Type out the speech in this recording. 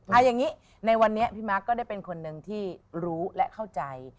เอาอย่างนี้ในวันนี้พี่มาร์คก็ได้เป็นคนหนึ่งที่รู้และเข้าใจ